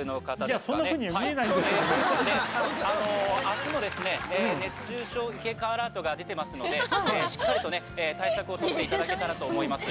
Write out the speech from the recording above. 明日も熱中症警戒アラートが出てますのでしっかりと対策をとっていただけたらと思います。